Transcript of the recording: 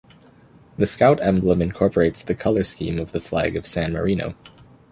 The Scout emblem incorporates the color scheme of the flag of San Marino.